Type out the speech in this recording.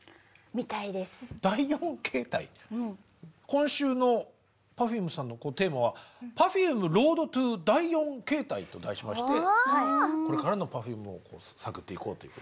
今週のＰｅｒｆｕｍｅさんのテーマは「Ｐｅｒｆｕｍｅロード・トゥ・第４形態」と題しましてこれからのＰｅｒｆｕｍｅを探っていこうという。